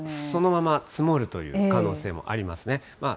そのまま積もるという可能性もありますね。